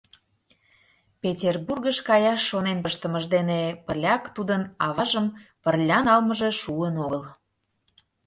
Петербургыш каяш шонен пыштымыж дене пырляк тудын аважым пырля налмыже шуын огыл.